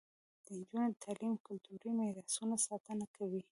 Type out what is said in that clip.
د نجونو تعلیم د کلتوري میراثونو ساتنه کوي.